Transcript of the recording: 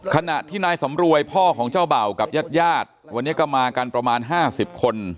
ขณะที่นายสำรวยพ่อของเจ้าเบ่ากับญาติญาติวันนี้ก็มากันประมาณ๕๐คน